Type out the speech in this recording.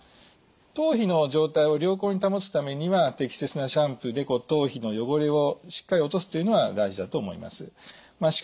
頭皮の状態を良好に保つためには適切なシャンプーで頭皮の汚れをしっかり落とすというのは大事だと思います。